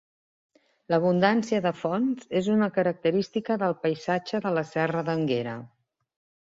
L'abundància de fonts és una característica del paisatge de la serra d'Énguera.